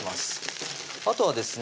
あとはですね